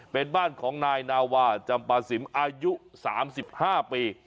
เป็นบ้านของนายนาวาจำปาสิมอายุ๓๕ปี